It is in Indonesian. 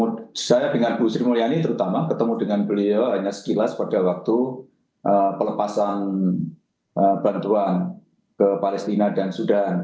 dan saya dengan ibu sri mulyani terutama ketemu dengan beliau hanya sekilas pada waktu pelepasan bantuan ke palestina dan sudan